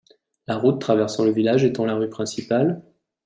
La route traversant le village étant la rue principale.